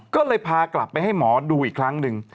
ก็เลยพากลับไปให้หมอดูอีกครั้งหนึ่ง